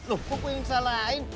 loh kok kok yang salahin